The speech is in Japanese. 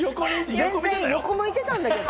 全然、横向いてたんだけど。